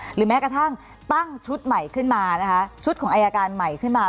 หรือแม้กระทั่งตั้งชุดของอายการใหม่ขึ้นมา